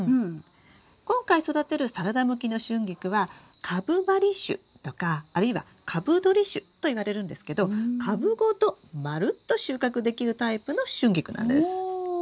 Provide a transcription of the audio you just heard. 今回育てるサラダ向きのシュンギクは「株張り種」とかあるいは「株取り種」といわれるんですけど株ごとまるっと収穫できるタイプのシュンギクなんです。